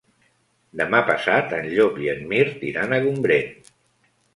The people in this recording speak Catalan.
Demà passat en Llop i en Mirt iran a Gombrèn.